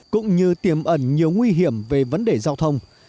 cũng như tiềm ẩn nhiều nguy hiểm về vấn đề giao thông